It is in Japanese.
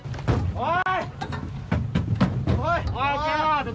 おい！